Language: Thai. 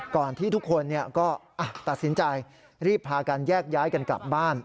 ก่อนที่ทุกคนก็ตัดสินใจรีบพากันแยกย้ายกันกลับบ้าน